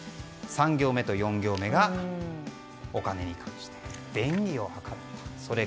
３行目と４行目がお金に関して便宜を図ったの「ベ」